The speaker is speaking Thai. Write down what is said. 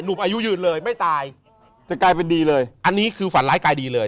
อายุยืนเลยไม่ตายจะกลายเป็นดีเลยอันนี้คือฝันร้ายกายดีเลย